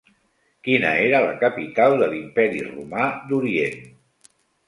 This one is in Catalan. Quina era la capital de l'Imperi Romà d'Orient?